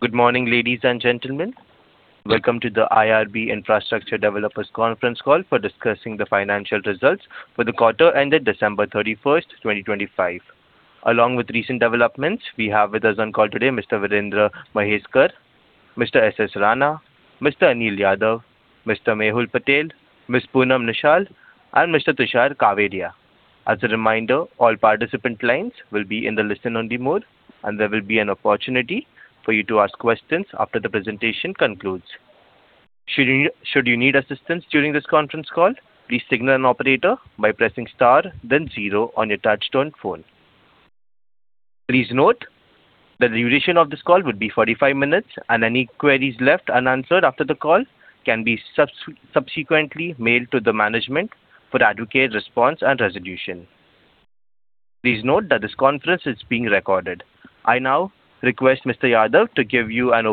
Good morning, ladies and gentlemen. Welcome to the IRB Infrastructure Developers Conference Call for discussing the financial results for the quarter ended December 31st, 2025. Along with recent developments, we have with us on call today Mr. Virendra Mhaiskar, Mr. S.S. Rana, Mr. Anil Yadav, Mr. Mehul Patel, Ms. Poonam Nishal, and Mr. Tushar Kawedia. As a reminder, all participant lines will be in the listen-only mode, and there will be an opportunity for you to ask questions after the presentation concludes. Should you need assistance during this conference call, please signal an operator by pressing star then zero on your touchtone phone. Please note, the duration of this call will be 45 minutes, and any queries left unanswered after the call can be subsequently mailed to the management for adequate response and resolution. Please note that this conference is being recorded. I now request Mr. Yadav to give you an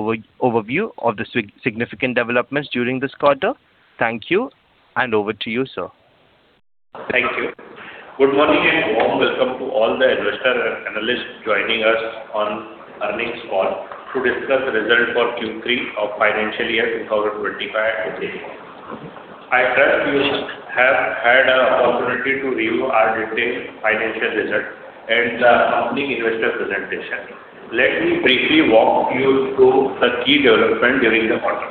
overview of the significant developments during this quarter. Thank you, and over to you, sir. Thank you. Good morning, and warm welcome to all the investor and analysts joining us on earnings call to discuss the results for Q3 of financial year 2025 today. I trust you have had an opportunity to review our detailed financial results and the company investor presentation. Let me briefly walk you through the key development during the quarter.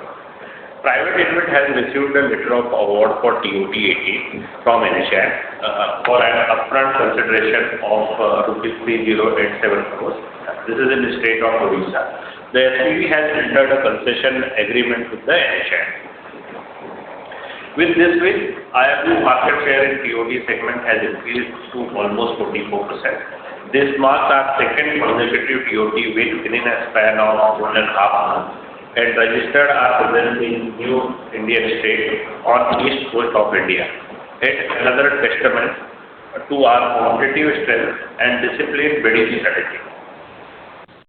IRB InvIT has received a letter of award for TOT 18 from NHAI for an upfront consideration of rupees 3,087 crores. This is in the state of Odisha. The SPV has entered a concession agreement with the NHAI. With this win, IRB market share in TOT segment has increased to almost 44%. This marks our second consecutive TOT win within a span of 1 1/2 months and registered our presence in new Indian state on east coast of India, and another testament to our competitive strength and disciplined bidding strategy.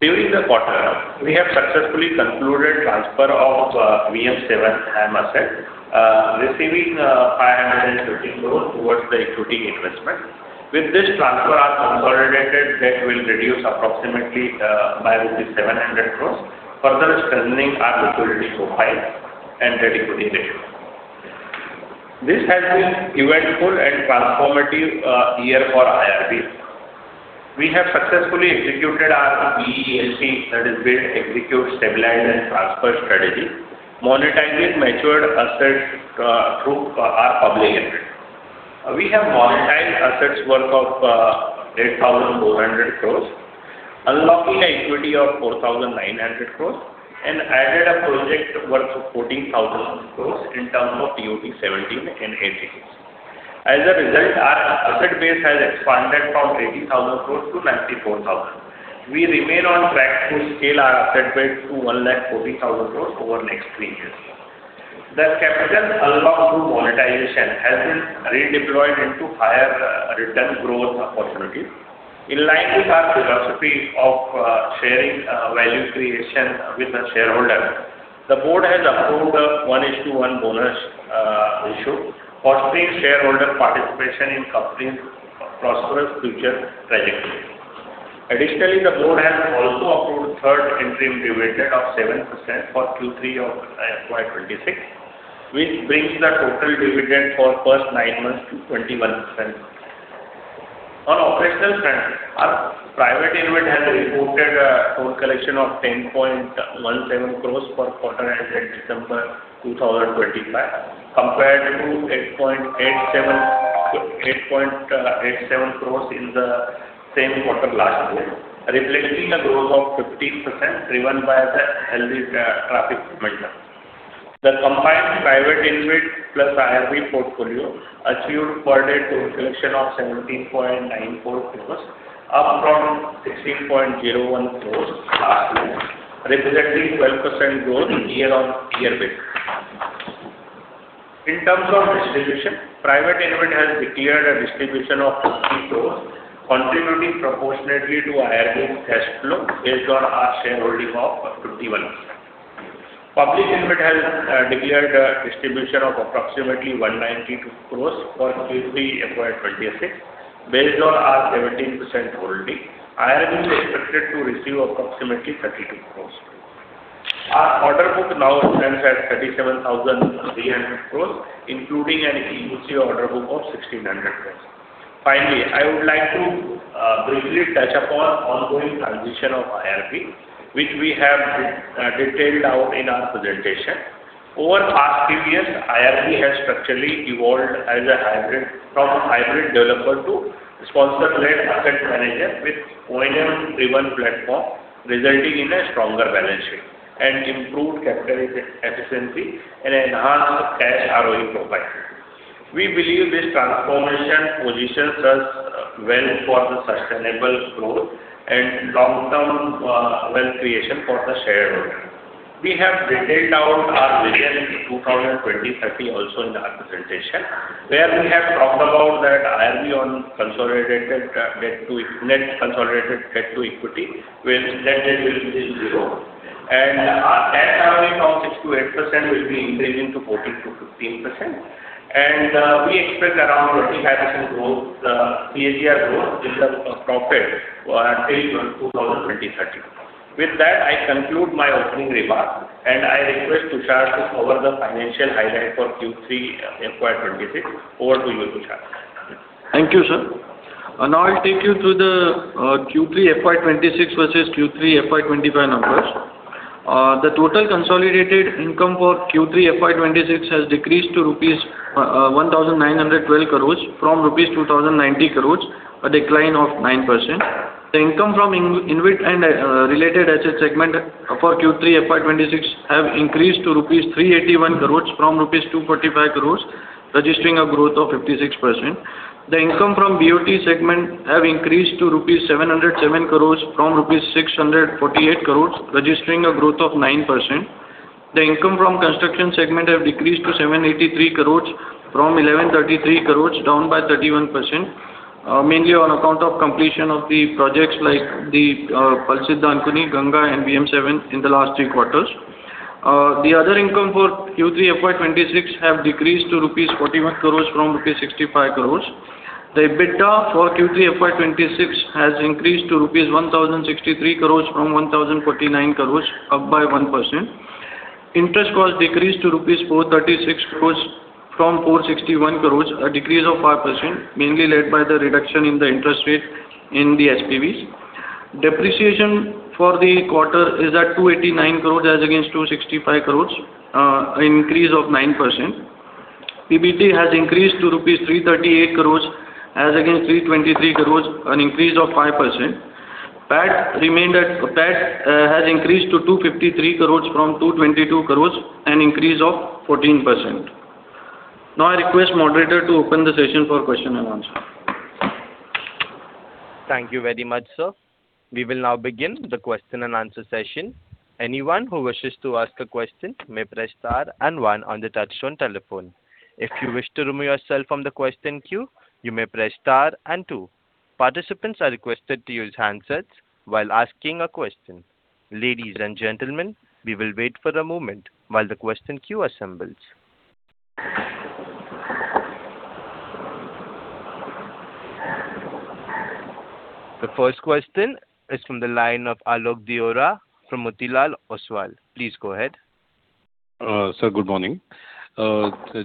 During the quarter, we have successfully concluded transfer of VM 7 HAM asset, receiving 550 crore towards the equity investment. With this transfer, our consolidated debt will reduce approximately by rupees 700 crore, further strengthening our liquidity profile and credit rating ratio. This has been eventful and transformative year for IRB. We have successfully executed our BEST, that is build, execute, stabilize, and transfer strategy, monetizing matured assets through our Public InvIT. We have monetized assets worth of 8,400 crores, unlocking equity of 4,900 crores, and added a project worth 14,000 crores in terms of TOT 17 and 18. As a result, our asset base has expanded from 80,000 crores to 94,000. We remain on track to scale our asset base to 1,40,000 crores over next three years. The capital unlock through monetization has been redeployed into higher return growth opportunities. In line with our philosophy of sharing value creation with the shareholder, the board has approved a 1:1 bonus issue, fostering shareholder participation in company's prosperous future trajectory. Additionally, the board has also approved third interim dividend of 7% for Q3 of FY 2026, which brings the total dividend for first nine months to 21%. On operational front, our private InvIT has reported a total collection of 10.17 crores per quarter as at December 2025, compared to 8.87 crores in the same quarter last year, reflecting a growth of 15%, driven by the healthy traffic momentum. The combined private InvIT plus IRB portfolio achieved quarterly collection of 17.94 crores, up from 16.01 crores, representing 12% growth on a year-on-year basis. In terms of distribution, private InvIT has declared a distribution of 50 crores, contributing proportionately to IRB's cash flow based on our shareholding of 51%. Public InvIT has declared a distribution of approximately 190 crores for Q3 FY 2026. Based on our 17% holding, IRB is expected to receive approximately 32 crores. Our order book now stands at 37,300 crore, including an EPC order book of 1,600 crore. Finally, I would like to briefly touch upon ongoing transition of IRB, which we have detailed out in our presentation. Over past few years, IRB has structurally evolved as a hybrid... from a hybrid developer to sponsor-led asset manager with O&M-driven platform, resulting in a stronger balance sheet and improved capital efficiency and enhanced cash ROE profile. We believe this transformation positions us well for the sustainable growth and long-term wealth creation for the shareholder. We have detailed out our vision in 2020-30 also in our presentation, where we have talked about that IRB on consolidated debt to... net consolidated debt to equity, net debt will be zero, and Cash ROE will be increasing to 14%-15%, and, we expect around 30% growth, CAGR growth in the profit, till 2020-2030. With that, I conclude my opening remarks, and I request Tushar to cover the financial highlights for Q3 FY 2026. Over to you, Tushar. Thank you, sir. Now I'll take you through the Q3 FY 2026 versus Q3 FY 2025 numbers. The total consolidated income for Q3 FY 2026 has decreased to 1,912 crore rupees from 2,090 crore rupees, a decline of 9%. The income from InvIT and related asset segment for Q3 FY 2026 have increased to 381 crore rupees from 245 crore rupees, registering a growth of 56%. The income from BOT segment have increased to 707 crore rupees from 648 crore rupees, registering a growth of 9%. The income from construction segment have decreased to 783 crore from 1,133 crore, down by 31%, mainly on account of completion of the projects like the Palsit Dankuni, Ganga, and VM 7 in the last three quarters. The other income for Q3 FY 2026 have decreased to INR 41 crore from INR 65 crore. The EBITDA for Q3 FY 2026 has increased to INR 1,063 crore from 1,049 crore, up by 1%. Interest cost decreased to INR 436 crore from 461 crore, a decrease of 5%, mainly led by the reduction in the interest rate in the SPVs. Depreciation for the quarter is at 289 crore as against 265 crore, an increase of 9%. PBT has increased to rupees 338 crore as against 323 crore, an increase of 5%. PAT has increased to 253 crore from 222 crore, an increase of 14%. Now, I request moderator to open the session for question and answer. Thank you very much, sir. We will now begin the question and answer session. Anyone who wishes to ask a question may press star and one on the touchtone telephone. If you wish to remove yourself from the question queue, you may press star and two. Participants are requested to use handsets while asking a question. Ladies and gentlemen, we will wait for a moment while the question queue assembles. The first question is from the line of Alok Deora from Motilal Oswal. Please go ahead. Sir, good morning.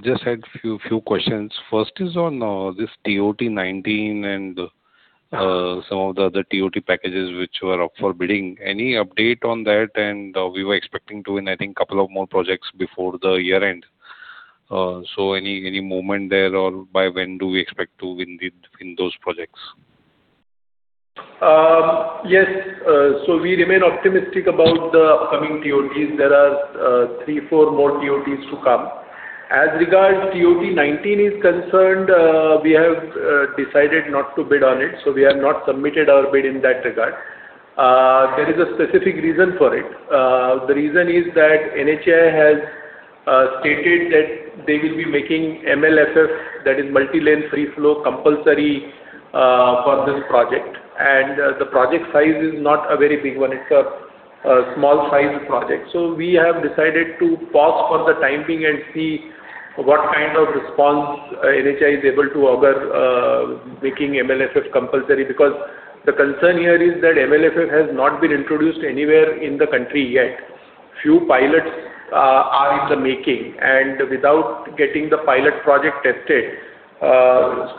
Just had few questions. First is on this TOT 19 and some of the other TOT packages which were up for bidding. Any update on that? And we were expecting to win, I think, couple of more projects before the year end. So any movement there, or by when do we expect to win those projects? Yes, so we remain optimistic about the upcoming TOTs. There are three or four more TOTs to come. As regards TOT 19 is concerned, we have decided not to bid on it, so we have not submitted our bid in that regard. There is a specific reason for it. The reason is that NHAI has stated that they will be making MLFF, that is Multi-Lane Free Flow, compulsory for this project, and the project size is not a very big one, it's a small size project. So we have decided to pause for the time being and see what kind of response NHAI is able to offer making MLFF compulsory, because the concern here is that MLFF has not been introduced anywhere in the country yet. Few pilots are in the making, and without getting the pilot project tested,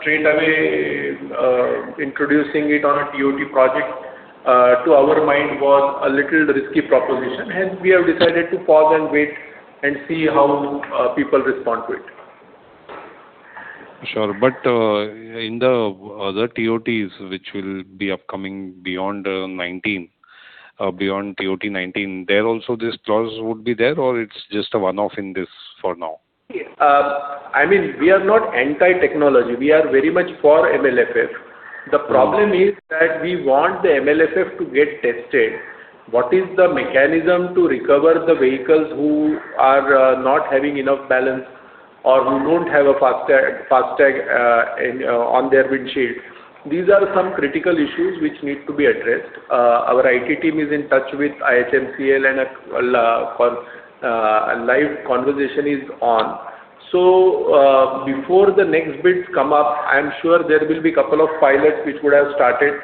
straight away, introducing it on a TOT project, to our mind, was a little risky proposition, hence we have decided to pause and wait, and see how people respond to it. Sure. But, in the other TOTs, which will be upcoming beyond 19, beyond TOT 19, there also this clause would be there, or it's just a one-off in this for now? I mean, we are not anti-technology. We are very much for MLFF. Mm-hmm. The problem is that we want the MLFF to get tested. What is the mechanism to recover the vehicles who are not having enough balance or who don't have a FASTag, FASTag in on their windshield? These are some critical issues which need to be addressed. Our IT team is in touch with IHMCL and for a live conversation is on. So, before the next bids come up, I am sure there will be a couple of pilots which would have started.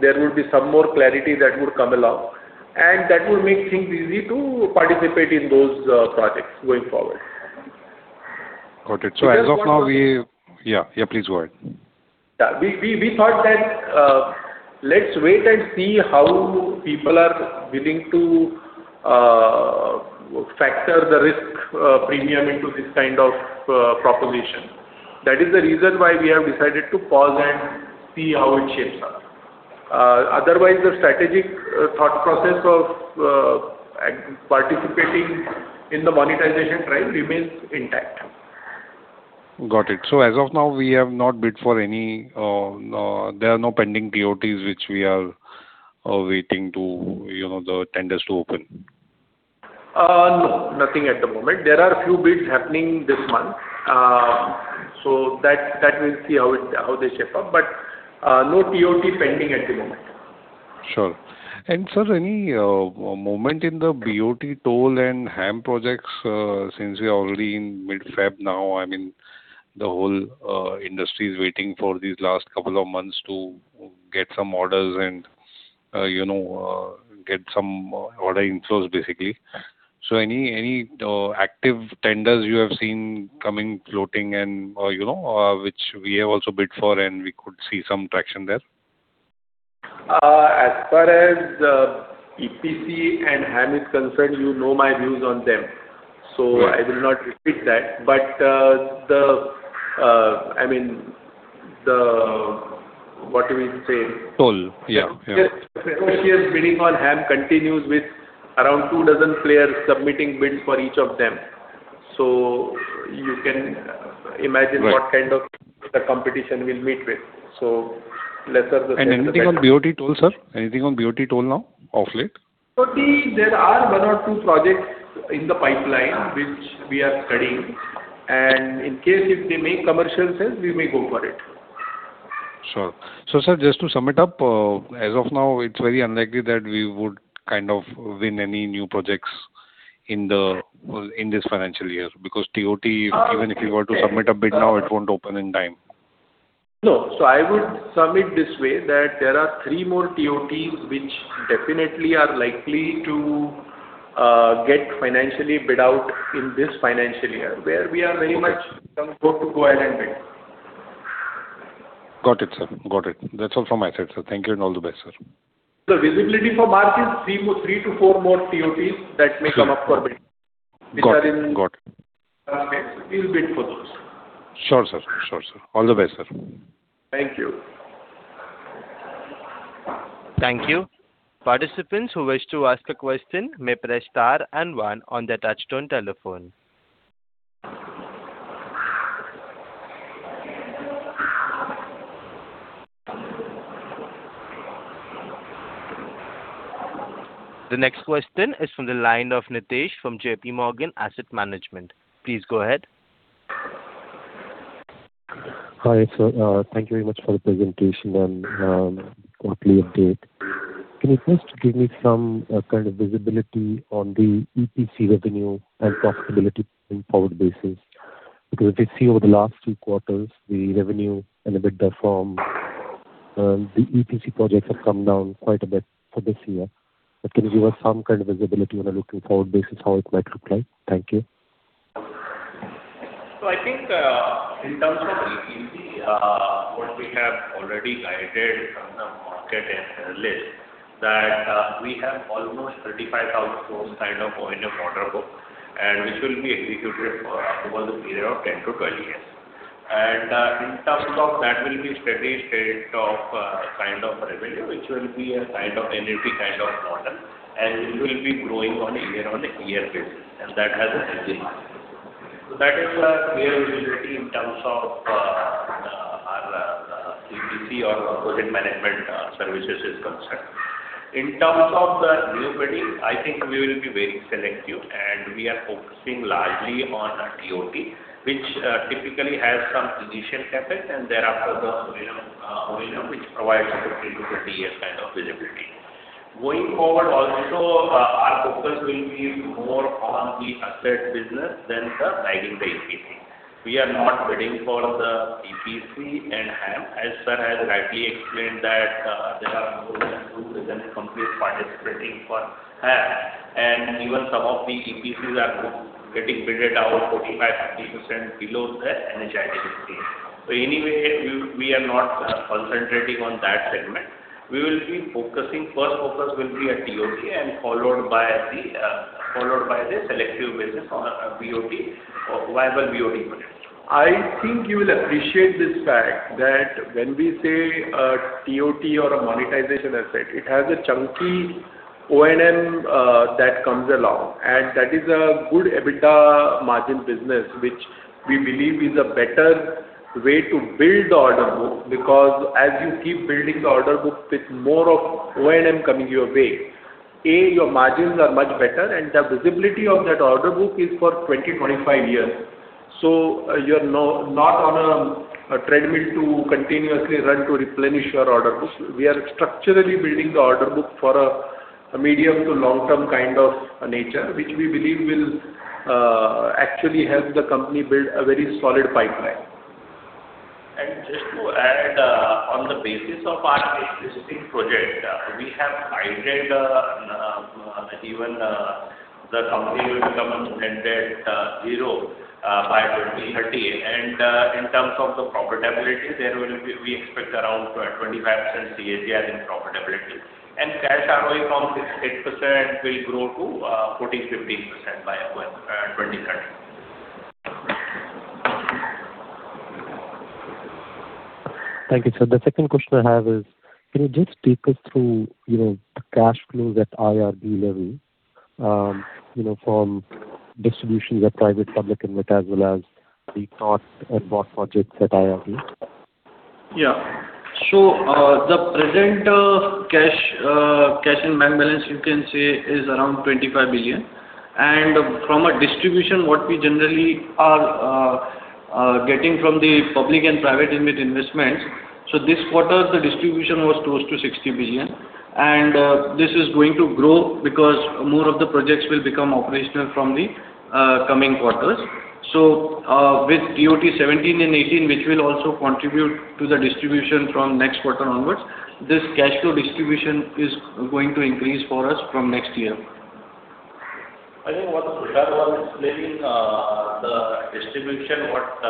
There will be some more clarity that would come along, and that would make things easy to participate in those projects going forward. Got it. Just one- So as of now, we... Yeah, yeah, please go ahead. Yeah. We thought that, let's wait and see how people are willing to factor the risk premium into this kind of proposition. That is the reason why we have decided to pause and see how it shapes up. Otherwise, the strategic thought process of participating in the monetization trail remains intact. Got it. So as of now, we have not bid for any, there are no pending TOTs, which we are waiting to, you know, the tenders to open? No, nothing at the moment. There are a few bids happening this month, so that we'll see how they shape up, but no TOT pending at the moment. Sure. Sir, any movement in the BOT toll and HAM projects since we are already in mid-Feb now? I mean, the whole industry is waiting for these last couple of months to get some orders and you know get some order inflows, basically. So any active tenders you have seen coming, floating and you know which we have also bid for, and we could see some traction there? As far as the EPC and HAM is concerned, you know my views on them, so- Right. I will not repeat that. But, the, I mean, the, what do we say? Toll. Yeah. Yeah. Ferocious bidding on HAM continues with around 24 players submitting bids for each of them. So you can imagine- Right. what kind of the competition we'll meet with. So lesser the- Anything on BOT toll, sir? Anything on BOT toll now, of late? BOT, there are one or two projects in the pipeline which we are studying, and in case if they make commercial sense, we may go for it. Sure. So, sir, just to sum it up, as of now, it's very unlikely that we would kind of win any new projects in this financial year, because TOT, even if you were to submit a bid now, it won't open in time. No. So I would sum it this way, that there are three more TOTs which definitely are likely to get financially bid out in this financial year, where we are very much going to go ahead and bid. Got it, sir. Got it. That's all from my side, sir. Thank you, and all the best, sir. The visibility for March is 3 more, 3-4 more TOTs that may come up for bid. Got it. Got it. We'll bid for those. Sure, sir. Sure, sir. All the best, sir. Thank you. Thank you. Participants who wish to ask a question may press star and one on their touchtone telephone. The next question is from the line of Nitesh from J.P. Morgan Asset Management. Please go ahead. Hi, sir. Thank you very much for the presentation and quarterly update. Can you first give me some kind of visibility on the EPC revenue and profitability in forward basis? Because if you see over the last two quarters, the revenue and EBITDA from the EPC projects have come down quite a bit for this year. Can you give us some kind of visibility on a looking forward basis, how it might look like? Thank you. So I think, in terms of EPC, what we have already guided from the market is less, that, we have almost 35,000 crore kind of O&M order book, and which will be executed for over the period of 10-12 years. And, in terms of that will be steady state of, kind of revenue, which will be a kind of annuity kind of model, and it will be growing on a year-on-year basis, and that has a healthy margin. So that is our clear visibility in terms of, our, EPC or composite management, services is concerned. In terms of the new bidding, I think we will be very selective, and we are focusing largely on a TOT, which typically has some transition effect, and thereafter the, you know, O&M, which provides a 50- to 50-year kind of visibility. Going forward, also, our focus will be more on the asset business than the bidding space business. We are not bidding for the EPC and HAM, as sir has rightly explained that there are more than two dozen companies participating for HAM, and even some of the EPCs are getting bidded out 45%-50% below the NHAI. So anyway, we are not concentrating on that segment. We will be focusing. First focus will be a TOT and followed by the selective business on a BOT or viable BOT models. I think you will appreciate this fact that when we say a TOT or a monetization asset, it has a chunky O&M that comes along, and that is a good EBITDA margin business, which we believe is a better way to build the order book, because as you keep building the order book with more of O&M coming your way, your margins are much better, and the visibility of that order book is for 20, 25 years. So you're not on a treadmill to continuously run to replenish your order book. We are structurally building the order book for a medium to long-term kind of nature, which we believe will actually help the company build a very solid pipeline. Just to add, on the basis of our existing project, we have guided that even the company will become a net debt zero by 2030. In terms of the profitability, there will be, we expect around 25% CAGR in profitability. Cash ROE from 6-8% will grow to 14-15% by 2030. Thank you, sir. The second question I have is, can you just take us through, you know, the cash flows at IRB level, you know, from distributions of private public InvIT, as well as the TOT and HAM projects at IRB? Yeah. So, the present cash in bank balance, you can say, is around 25 billion. And from a distribution, what we generally are getting from the Public and Private InvIT investments. So this quarter, the distribution was close to 60 billion, and this is going to grow because more of the projects will become operational from the coming quarters. So, with TOT 17 and 18, which will also contribute to the distribution from next quarter onwards, this cash flow distribution is going to increase for us from next year. I think what Tushar was explaining, the distribution, what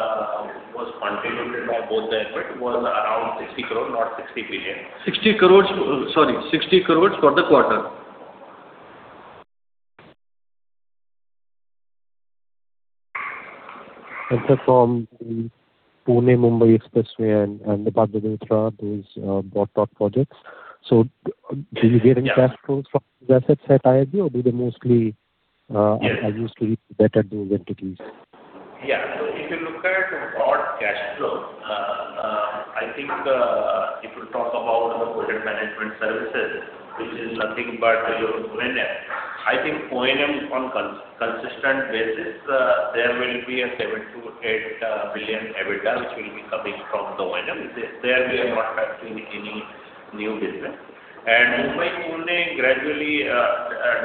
was contributed by both the InvIT was around 60 crore, not 60 billion. 60 crore, sorry, 60 crore for the quarter. From the Mumbai-Pune Expressway and the Bhadrak, those BOT-TOT projects. So do you get any cash flows from the asset side, IRB, or do they mostly are used to better those entities? Yeah. So if you look at the broad cash flow, I think, if you talk about the project management services, which is nothing but your O&M, I think O&M on consistent basis, there will be a 7-8 billion EBITDA, which will be coming from the O&M. There, we are not expecting any new business. And Mumbai, Pune, gradually,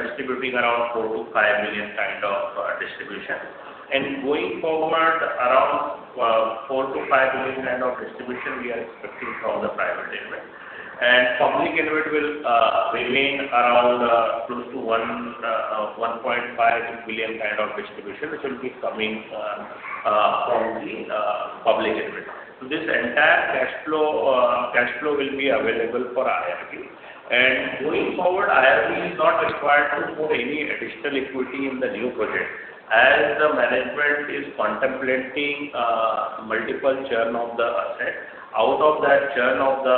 distributing around 4-5 million kind of, distribution. And going forward, around, 4-5 billion kind of distribution we are expecting from the Private InvIT. And Public InVIT will, remain around, close to 1.5 billion kind of distribution, which will be coming, from the, Public InVIT. So this entire cash flow, cash flow will be available for IRB. Going forward, IRB is not required to put any additional equity in the new project. As the management is contemplating multiple churn of the asset, out of that churn of the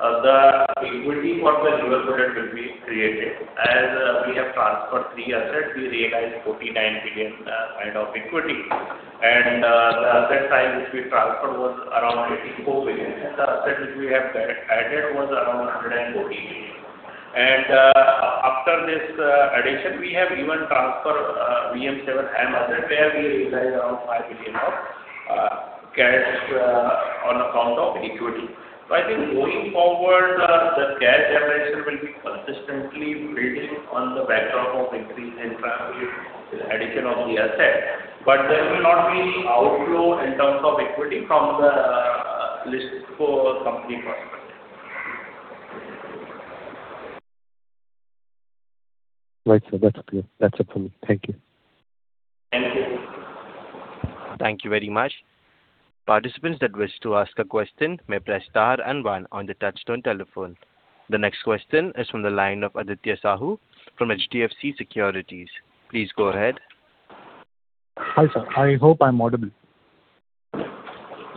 asset, the equity for the new project will be created. As we have transferred three assets, we realized 49 billion kind of equity, and the asset side, which we transferred, was around 84 billion, and the asset which we have added was around 140 billion. After this addition, we have even transferred VM 7 and other, where we realized around 5 billion of cash on account of equity. I think going forward, the cash generation will be consistently building on the backdrop of increase in private addition of the asset, but there will not be any outflow in terms of equity from the, list for company perspective. Right, sir. That's clear. That's it for me. Thank you. Thank you. Thank you very much. Participants that wish to ask a question may press star and one on the touchtone telephone. The next question is from the line of Aditya Sahu from HDFC Securities. Please go ahead. Hi, sir. I hope I'm audible.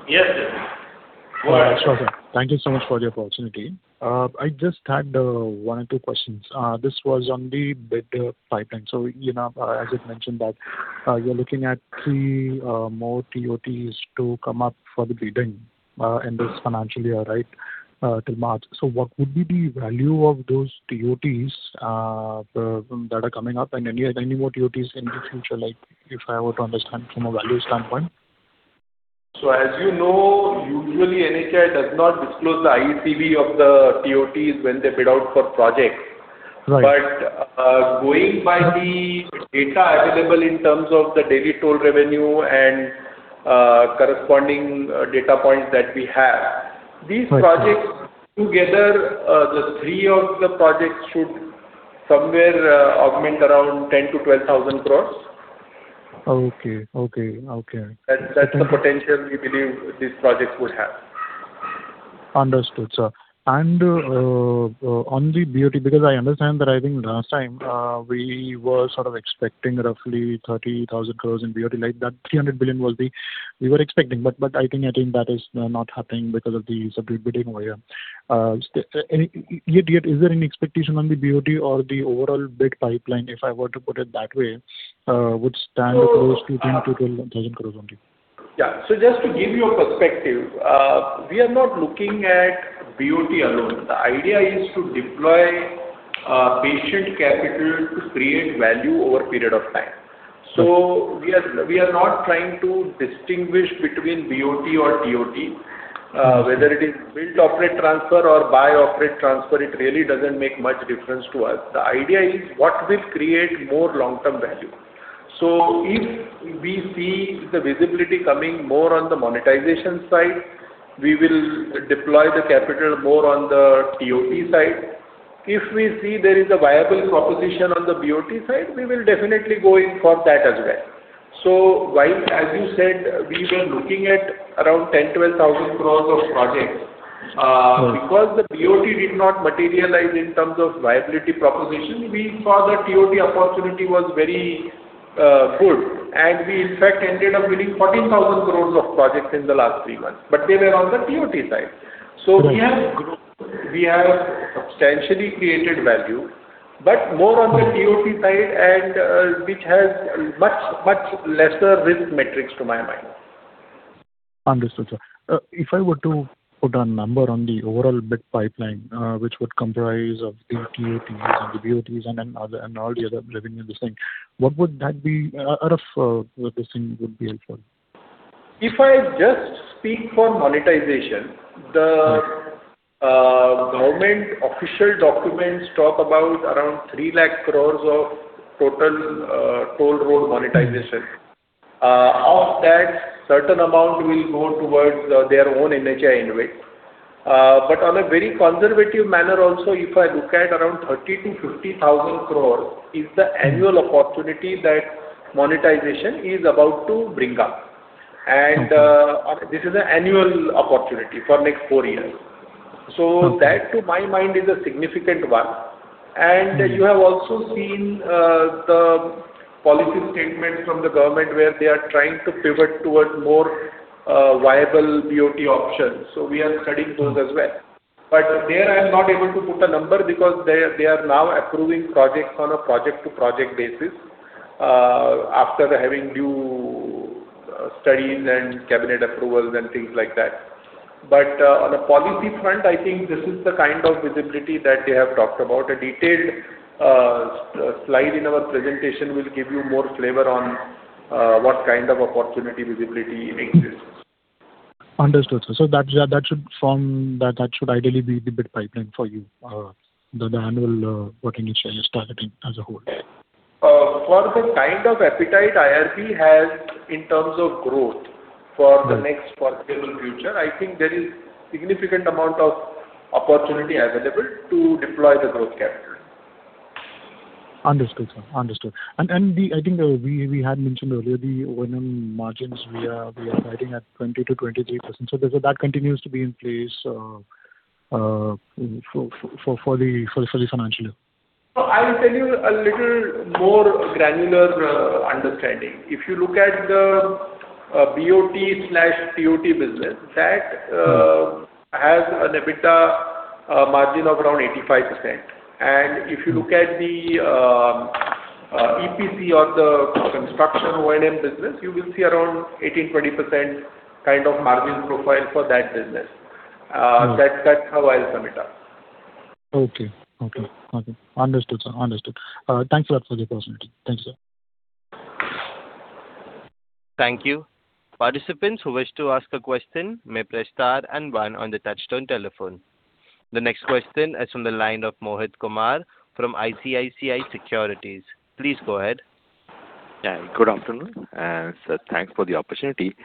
Yes. Sure, sir. Thank you so much for the opportunity. I just had one or two questions. This was on the bid pipeline. So, you know, as you've mentioned, that you're looking at three more TOTs to come up for the bidding in this financial year, right, till March. So what would be the value of those TOTs, the that are coming up? And any more TOTs in the future, like, if I were to understand from a value standpoint? As you know, usually NHAI does not disclose the IECV of the TOTs when they bid out for projects. Right. But, going by the data available in terms of the daily toll revenue and, corresponding, data points that we have, these projects together, the three of the projects should somewhere, augment around 10,000 crore-12,000 crore. Okay. Okay, okay. That, that's the potential we believe these projects would have. Understood, sir. And on the BOT, because I understand that I think last time we were sort of expecting roughly 30,000 crore in BOT, like, that 300 billion was the we were expecting, but I think that is not happening because of the separate bidding over here. Is there any expectation on the BOT or the overall bid pipeline, if I were to put it that way, would stand close to 10,000-12,000 crore only? Yeah. So just to give you a perspective, we are not looking at BOT alone. The idea is to deploy patient capital to create value over a period of time. So we are, we are not trying to distinguish between BOT or TOT. Whether it is build, operate, transfer, or toll, operate, transfer, it really doesn't make much difference to us. The idea is what will create more long-term value. So if we see the visibility coming more on the monetization side, we will deploy the capital more on the TOT side. If we see there is a viable proposition on the BOT side, we will definitely go in for that as well. So while, as you said, we were looking at around 10,000-12,000 crore of projects, Right -because the BOT did not materialize in terms of viability proposition, we saw the TOT opportunity was very good, and we, in fact, ended up winning 14,000 crore of projects in the last three months, but they were on the TOT side. Right. So we have grown, we have substantially created value, but more on the TOT side and which has much, much lesser risk metrics, to my mind. Understood, sir. If I were to put a number on the overall bid pipeline, which would comprise of the TOTs and the BOTs and then other, and all the other revenue in this thing, what would that be, rough, this thing would be helpful? If I just speak for monetization, the government official documents talk about around 300,000 crore of total toll road monetization. Of that, certain amount will go towards their own NHAI anyway. But on a very conservative manner also, if I look at around 30,000 crore-50,000 crore, is the annual opportunity that monetization is about to bring up. This is an annual opportunity for next 4 years. That, to my mind, is a significant one. You have also seen the policy statement from the government, where they are trying to pivot towards more viable BOT options. So we are studying those as well. But there I am not able to put a number, because they, they are now approving projects on a project-to-project basis, after having new studies and cabinet approvals and things like that. On a policy front, I think this is the kind of visibility that they have talked about. A detailed slide in our presentation will give you more flavor on what kind of opportunity visibility exists. Understood, sir. So that should form. That should ideally be the bid pipeline for you, the annual what you are targeting as a whole. For the kind of appetite IRB has in terms of growth for the next foreseeable future, I think there is significant amount of opportunity available to deploy the growth capital. Understood, sir. Understood. And the—I think we had mentioned earlier the O&M margins, we are guiding at 20%-23%. So that continues to be in place for the financial year? I will tell you a little more granular understanding. If you look at the BOT/TOT business, that has an EBITDA margin of around 85%. And if you look at the EPC on the construction O&M business, you will see around 18%-20% kind of margin profile for that business. That's how I'll sum it up. Okay. Okay. Understood, sir. Understood. Thank you a lot for the opportunity. Thank you, sir. Thank you. Participants who wish to ask a question may press star and one on the touchtone telephone. The next question is from the line of Mohit Kumar from ICICI Securities. Please go ahead. Yeah, good afternoon, and sir, thanks for the opportunity.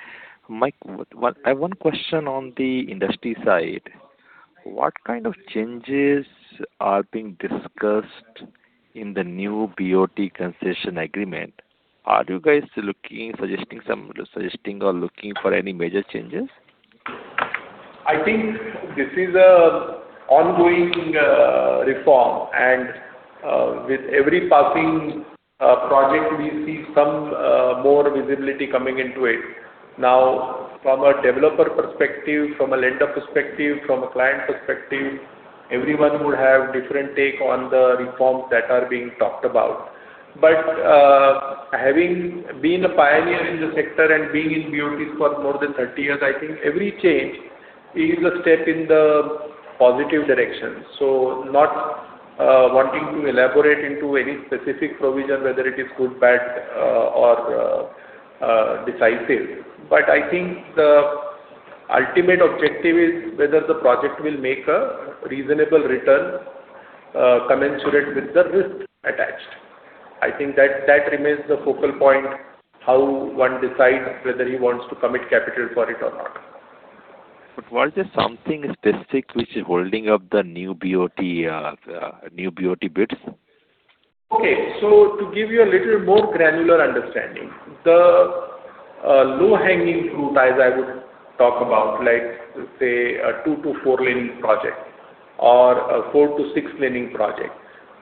My one, I have one question on the industry side. What kind of changes are being discussed in the new BOT concession agreement? Are you guys looking, suggesting some, suggesting or looking for any major changes? I think this is an ongoing reform, and with every passing project, we see some more visibility coming into it. Now, from a developer perspective, from a lender perspective, from a client perspective, everyone would have a different take on the reforms that are being talked about. But having been a pioneer in the sector and being in BOTs for more than 30 years, I think every change is a step in the positive direction. So not wanting to elaborate into any specific provision, whether it is good, bad, or decisive, but I think the ultimate objective is whether the project will make a reasonable return commensurate with the risk attached. I think that remains the focal point, how one decides whether he wants to commit capital for it or not. Was there something specific which is holding up the new BOT, new BOT bids? Okay, so to give you a little more granular understanding, the low-hanging fruit, as I would talk about, like, say, a two to four lane project or a four to six laning project,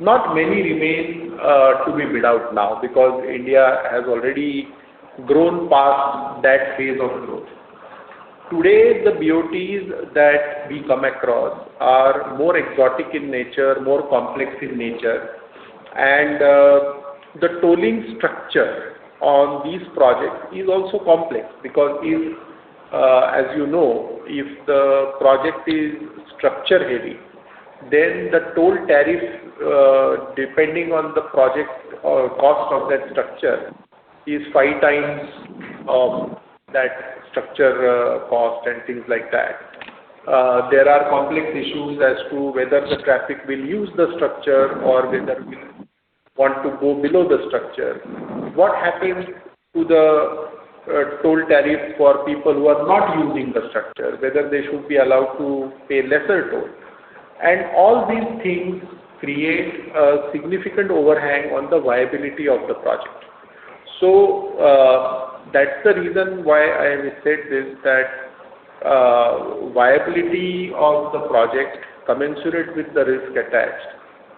not many remain to be bid out now, because India has already grown past that phase of growth. Today, the BOTs that we come across are more exotic in nature, more complex in nature, and the tolling structure on these projects is also complex, because if, as you know, if the project is structure heavy, then the toll tariff, depending on the project or cost of that structure, is 5x that structure cost and things like that. There are complex issues as to whether the traffic will use the structure or whether we want to go below the structure. What happens to the toll tariff for people who are not using the structure, whether they should be allowed to pay lesser toll? And all these things create a significant overhang on the viability of the project. So, that's the reason why I have said this, that viability of the project, commensurate with the risk attached,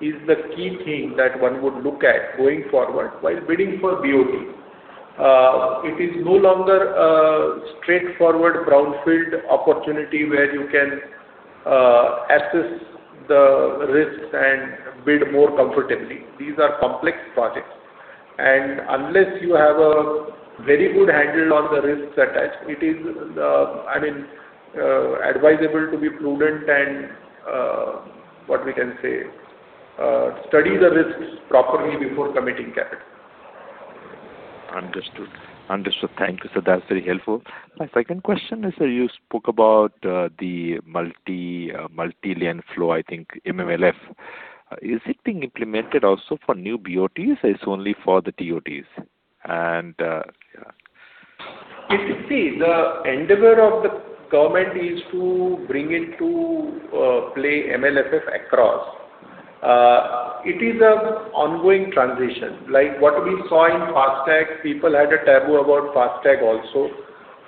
is the key thing that one would look at going forward while bidding for BOT. It is no longer a straightforward brownfield opportunity where you can assess the risks and bid more comfortably. These are complex projects. And unless you have a very good handle on the risks attached, it is, I mean, advisable to be prudent and what we can say, study the risks properly before committing capital. Understood. Understood. Thank you, sir. That's very helpful. My second question is, sir, you spoke about the multi-lane flow, I think MLFF. Is it being implemented also for new BOTs, or it's only for the TOTs? And, yeah. If you see, the endeavor of the government is to bring into play MLFF across. It is an ongoing transition, like what we saw in FASTag. People had a taboo about FASTag also.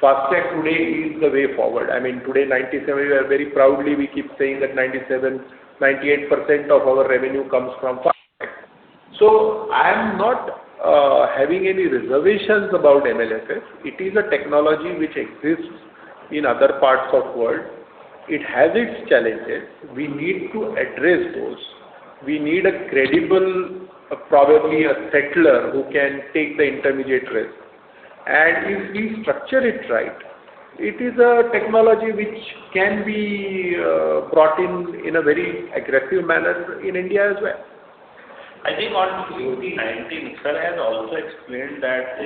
FASTag today is the way forward. I mean, today, 97-- we are very proudly, we keep saying that 97%-98% of our revenue comes from FASTag. So I am not having any reservations about MLFF. It is a technology which exists in other parts of world. It has its challenges. We need to address those. We need a credible, probably a settler, who can take the intermediate risk. And if we structure it right, it is a technology which can be brought in, in a very aggressive manner in India as well. I think on TOT 19, sir has also explained that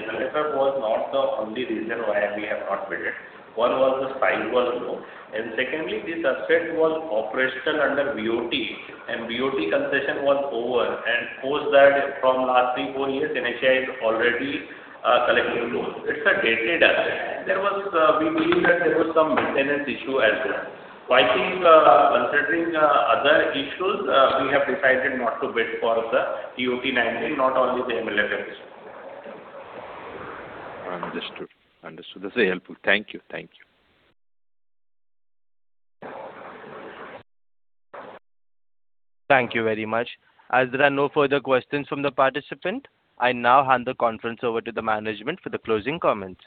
was not the only reason why we have not bid it. One was the size was low, and secondly, the asset was operational under BOT, and BOT concession was over, and post that, from last three to four years, The NHAI is already collecting tolls. It's a dated asset. There was, we believe that there was some maintenance issue as well. So I think, considering other issues, we have decided not to bid for the TOT 19, not only the MLFF. Understood. Understood. This is helpful. Thank you. Thank you. Thank you very much. As there are no further questions from the participant, I now hand the conference over to the management for the closing comments.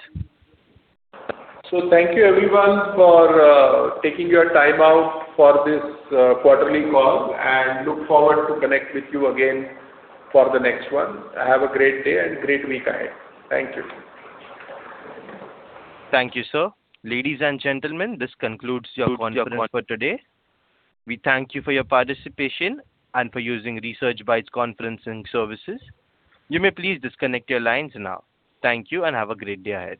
Thank you everyone for taking your time out for this quarterly call, and look forward to connect with you again for the next one. Have a great day and great week ahead. Thank you. Thank you, sir. Ladies and gentlemen, this concludes your conference for today. We thank you for your participation and for using Research Bytes conferencing services. You may please disconnect your lines now. Thank you, and have a great day ahead.